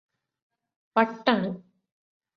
വട്ടാണ്